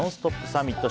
サミット。